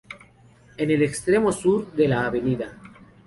En el extremo sur de la Av.